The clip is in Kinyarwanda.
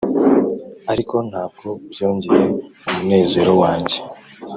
ariko ntabwo byongeye umunezero wanjye.